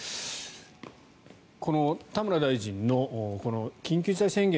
この田村大臣の緊急事態宣言